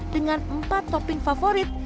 dengan empat topping favorit